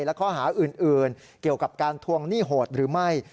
และข้อหาอื่นเกี่ยวกับการทวงหนี้โหดหรือไม่